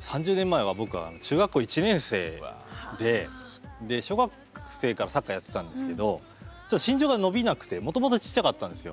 ３０年前は僕は中学校１年生で小学生からサッカーやってたんですけどちょっと身長が伸びなくてもともとちっちゃかったんですよ。